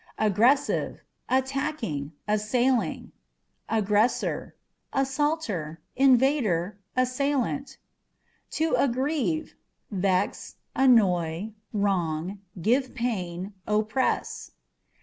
Aggressive â€" attacking, assailing. Aggressor â€" assaulter, invader, assailant. To Aggrieve â€" vex, annoy, wrong, give pain, oppress.